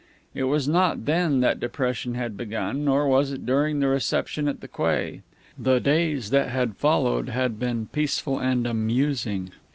It was not then that depression had begun, nor was it during the reception at the quay. The days that had followed had been peaceful and amusing.